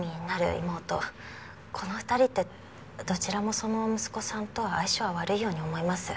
この２人ってどちらもその息子さんと相性が悪いように思います。